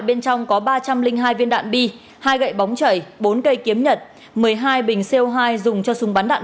bên trong có ba trăm linh hai viên đạn bi hai gậy bóng chảy bốn cây kiếm nhật một mươi hai bình co hai dùng cho súng bắn đạn